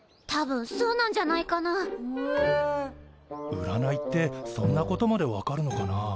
うらないってそんなことまでわかるのかな？